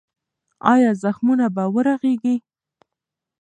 ایا زخمونه به ورغېږي؟